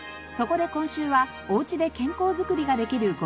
そこで今週はおうちで健康づくりができる